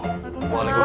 eh kenapa sih lo